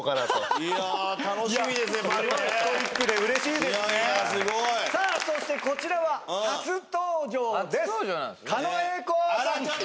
いやいやすごいさあそしてこちらは初登場なんすね